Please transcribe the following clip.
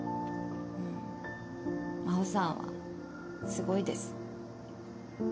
真帆さんはすごいです。